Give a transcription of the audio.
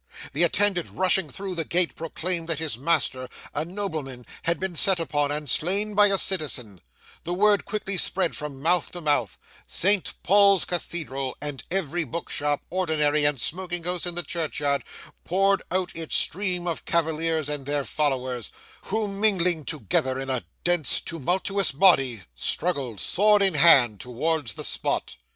The attendant rushing through the gate proclaimed that his master, a nobleman, had been set upon and slain by a citizen; the word quickly spread from mouth to mouth; Saint Paul's Cathedral, and every book shop, ordinary, and smoking house in the churchyard poured out its stream of cavaliers and their followers, who mingling together in a dense tumultuous body, struggled, sword in hand, towards the spot.